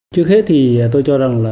trước hết thì tôi cho rằng là